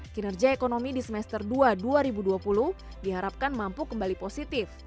kinerja ekonomi di semester dua dua ribu dua puluh diharapkan mampu kembali positif